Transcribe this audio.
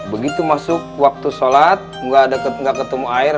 begitu masuk waktu sholat nggak ketemu air